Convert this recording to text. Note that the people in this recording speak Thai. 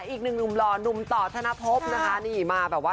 อีกหนึ่งนุ่มหล่อน่มต่อธนภพนะคะ